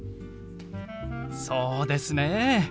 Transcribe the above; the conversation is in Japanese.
そうですね。